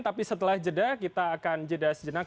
tapi setelah jeda kita akan jeda sejenak